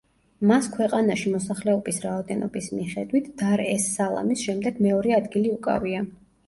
მას ქვეყანაში მოსახლეობის რაოდენობის მიხედვით დარ-ეს-სალამის შემდეგ მეორე ადგილი უკავია.